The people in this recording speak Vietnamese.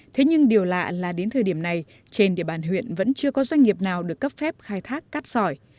thế nhưng điều lạ là đến thời điểm này trên địa bàn huyện vẫn chưa có doanh nghiệp nào được cấp phép khai thác cát sỏi